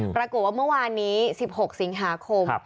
ปรากฏว่าเมื่อวานนี้๑๖สิงหาคม